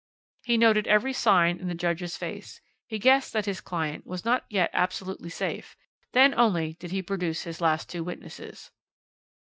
"He noted every sign in the judge's face, he guessed that his client was not yet absolutely safe, then only did he produce his last two witnesses.